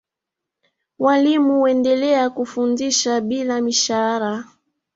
Walimu wendelea kufundisha bila mishahara